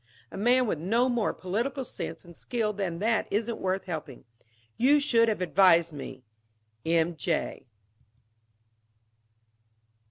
A man with no more political sense and skill than that isn't worth helping. You should have advised me. "M. J."